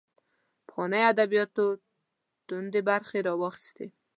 پخوانیو ادبیاتو توندۍ برخې راواخیستې